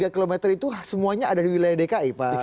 tiga km itu semuanya ada di wilayah dki pak